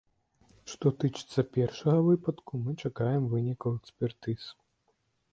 Што тычыцца першага выпадку, мы чакаем вынікаў экспертыз.